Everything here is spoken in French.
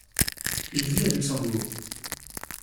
Il vit à Luxembourg.